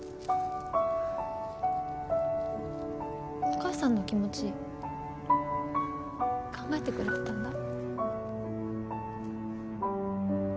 お母さんの気持ち考えてくれてたんだ。